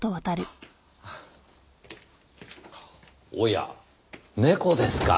おや猫ですか。